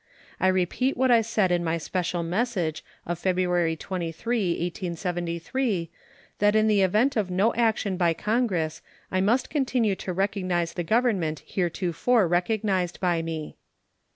I repeat what I said in my special message of February 23, 1873, that in the event of no action by Congress I must continue to recognize the government heretofore recognized by me.